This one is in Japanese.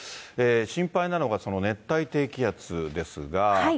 心配なのが、その熱帯低気圧ですが。